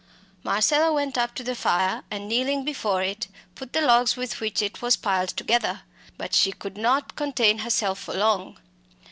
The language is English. Marcella went up to the fire and, kneeling before it, put the logs with which it was piled together. But she could not contain herself for long.